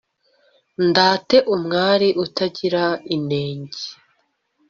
ndate umwari utagira inenge